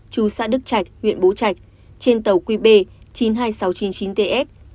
chú xã đức trạch huyện bố trạch trên tàu qb chín mươi hai nghìn sáu trăm chín mươi chín ts